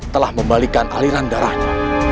telah membalikan aliran darahnya